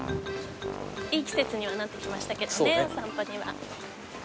いい季節にはなってきましたけどねお散歩には。